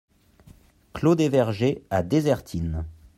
Clos des Vergers à Désertines